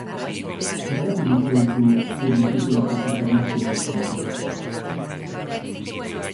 Zergatik uste duzu ez dizkizutela paper dramatikoak eskaintzen?